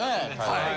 はい。